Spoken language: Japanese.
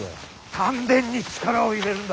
丹田に力を入れるんだ。